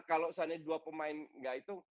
kalau seandainya dua pemain tidak itu